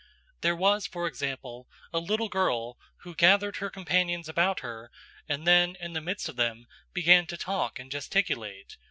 There was, for example, a little girl who gathered her companions about her and then, in the midst of them, began to talk and gesticulate.